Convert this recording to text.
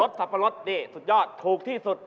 รสสัปปะรดสุดยอดถูกที่สุด